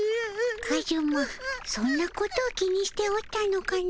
カズマそんなことを気にしておったのかの。